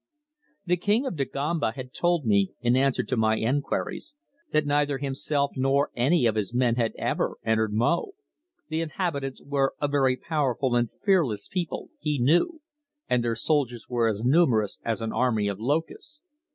The King of Dagomba had told me, in answer to my enquiries, that neither himself nor any of his men had ever entered Mo. The inhabitants were a very powerful and fearless people, he knew, and their soldiers were as numerous as an army of locusts.